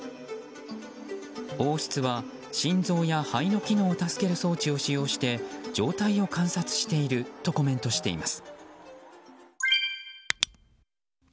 王室は、心臓や肺の機能を助ける装置を使用して状態を観察しているとコメントしています。